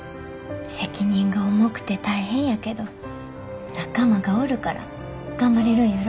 責任が重くて大変やけど仲間がおるから頑張れるんやろ。